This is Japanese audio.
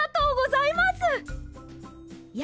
や